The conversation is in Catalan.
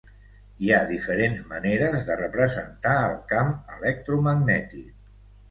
Hi ha diferents maneres de representar el camp electromagnètic.